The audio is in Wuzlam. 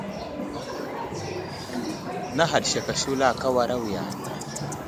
Nə̀haɗ sek a shula ,ka wara awiya.